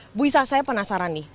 ibu isa saya penasaran nih